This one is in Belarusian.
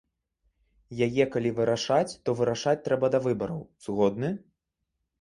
Яе калі вырашаць, то вырашаць трэба да выбараў, згодны?